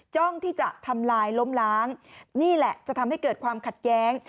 จ้องที่จะทำลายล้มล้างนี่แหละจะทำให้เกิดความขัดแย้ง